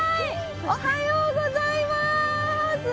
おはようございます。